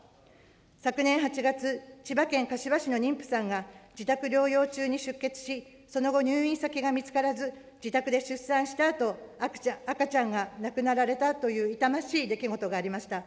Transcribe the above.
昨年８月、千葉県柏市の妊婦さんが自宅療養中に出血し、その後、入院先が見つからず、自宅で出産したあと、赤ちゃんが亡くなられたという痛ましい出来事がありました。